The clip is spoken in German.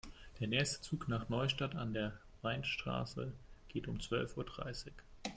Der nächste Zug nach Neustadt an der Weinstraße geht um zwölf Uhr dreißig